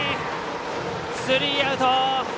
スリーアウト。